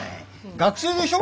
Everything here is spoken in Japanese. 学生でしょ？